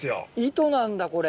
糸なんだこれ。